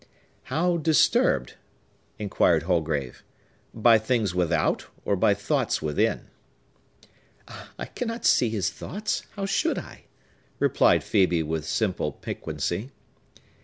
"How disturbed?" inquired Holgrave. "By things without, or by thoughts within?" "I cannot see his thoughts! How should I?" replied Phœbe with simple piquancy.